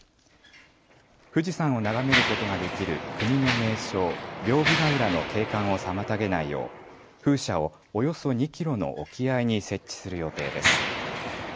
富士山を眺めることができる国の名勝、屏風ヶ浦の景観を妨げないよう風車をおよそ２キロの沖合に設置する予定です。